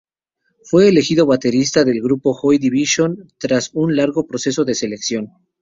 Fue elegido baterista del grupo Joy Division, tras un largo proceso de selección.